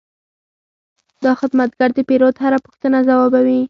دا خدمتګر د پیرود هره پوښتنه ځوابوي.